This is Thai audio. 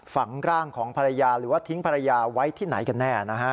ฝังร่างของภรรยาหรือว่าทิ้งภรรยาไว้ที่ไหนกันแน่นะฮะ